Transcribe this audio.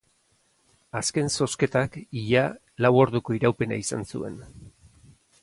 Azken zozketak ia lau orduko iraupena izan zuen.